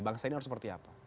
bangsa ini harus seperti apa